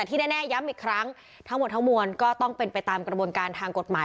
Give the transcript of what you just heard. ที่แน่ย้ำอีกครั้งทั้งหมดทั้งมวลก็ต้องเป็นไปตามกระบวนการทางกฎหมาย